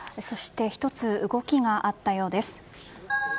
１つ動きがあったようです。